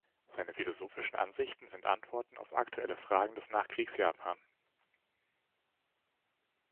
Seine philosophischen Ansichten sind Antworten auf aktuelle Fragen des Nachkriegs-Japan.